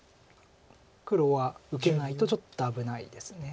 黒は受けないとちょっと危ないです。